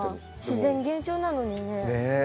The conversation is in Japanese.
自然現象なのにね。